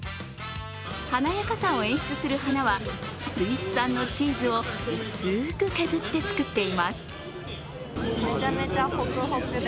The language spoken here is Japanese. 華やかさを演出する花はスイス産のチーズを薄く削って作っています。